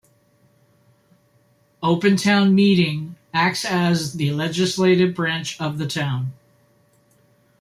Open Town Meeting acts as the legislative branch of the town.